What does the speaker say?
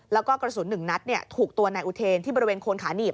แล้วก็กระสุน๑นัดถูกตัวนายอุเทนที่บริเวณโคนขาหนีบ